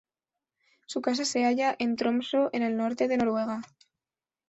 Su casa se halla en Tromsø en el norte de Noruega.